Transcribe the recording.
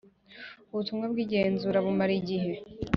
ubutumwa bw’igenzura bumara igihe.